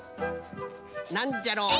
なんじゃろう？